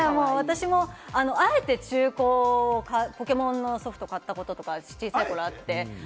私もあえて中古のポケモンのソフトを買ったことが小さいころにあって。